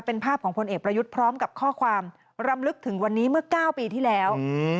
เป็นภาพของพลเอกประยุทธ์พร้อมกับข้อความรำลึกถึงวันนี้เมื่อ๙ปีที่แล้ว